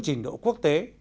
trình độ quốc tế